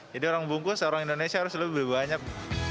jadi orang bungkus orang indonesia harus lebih banyak